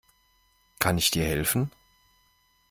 Kann ich dir helfen?